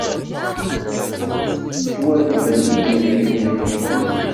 Ttwaddmen yidrimen-nni.